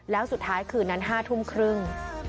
แล้วสุดท้ายคืนนั้น๕ทุ่มครึ่ง